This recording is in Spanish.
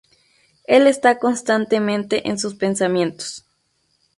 Él está constantemente en sus pensamientos.